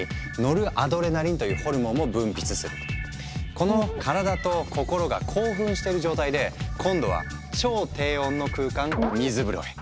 この体と心が興奮している状態で今度は超低温の空間「水風呂」へ。